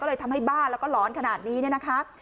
ก็เลยทำให้บ้าแล้วก็หลอนขนาดนี้เนี่ยนะคะ